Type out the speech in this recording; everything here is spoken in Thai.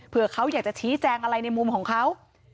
เพื่อเขาอยากจะชี้แจงอะไรในมุมของเขา